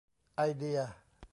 ไอเดีย